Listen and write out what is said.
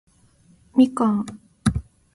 蜜柑